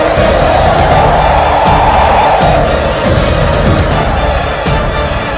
saya harus memeluh orang premium